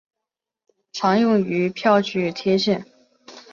常用于票据贴现。